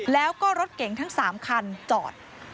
แล้วก็รถเก๋งทั้ง๓คันจอด